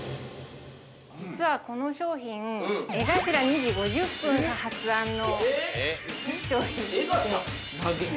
◆実はこの商品、江頭２：５０さん発案の商品でして。